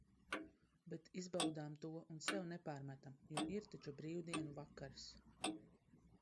Bet izbaudām to un sev nepārmetam, jo ir taču brīvdienu vakars.